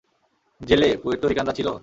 জেলে, পুয়ের্তো রিকানরা ছিলো?